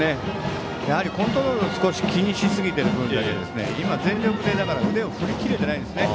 やはりコントロールを少し気にしすぎている分全力で腕を振りきれていないんですね。